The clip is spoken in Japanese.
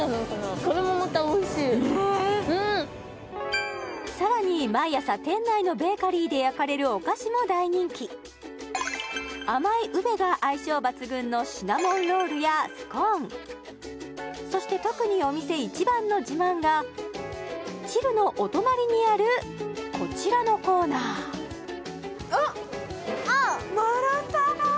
これもまたおいしいねっさらに毎朝店内のベーカリーで焼かれるお菓子も大人気甘いウベが相性抜群のシナモンロールやスコーンそして特にお店一番の自慢がｃｈｉｌｌのお隣にあるこちらのコーナーあっあっ